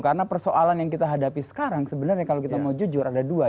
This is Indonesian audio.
karena persoalan yang kita hadapi sekarang sebenarnya kalau kita mau jujur ada dua